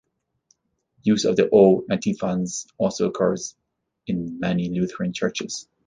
Use of the O Antiphons also occurs in many Lutheran churches.